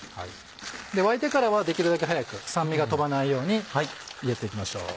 沸いてからはできるだけ早く酸味が飛ばないように入れていきましょう。